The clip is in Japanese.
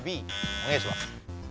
おねがいします。